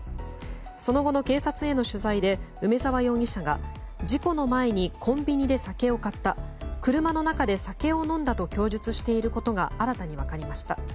その後の警察への取材で梅沢容疑者が事故の前にコンビニで酒を買った車の中で酒を飲んだと供述していることが新たに分かりました。